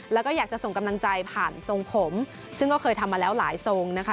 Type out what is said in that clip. แล้วก็อยากจะส่งกำลังใจผ่านทรงผมซึ่งก็เคยทำมาแล้วหลายทรงนะคะ